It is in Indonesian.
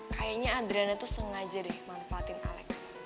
kayaknya adriana tuh sengaja deh manfaatin alex